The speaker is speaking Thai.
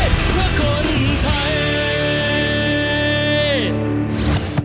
เราจะเชียร์บนไทย